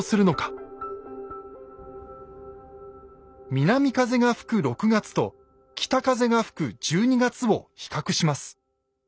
南風が吹く６月と北風が吹く１２月を比較します。